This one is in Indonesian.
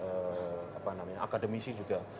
apa namanya akademisi juga